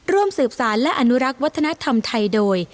ร่วมสืบสารและอนุรักษ์วัฒนธรรมไทยโดย